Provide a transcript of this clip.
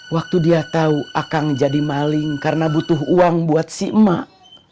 waktu dia tahu akang jadi maling karena butuh uang buat si emak